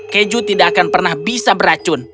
keju tidak akan pernah bisa beracun